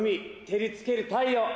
照りつける太陽！